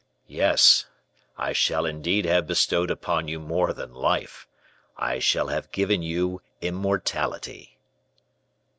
Yes; I shall indeed have bestowed upon you more than life, I shall have given you immortality."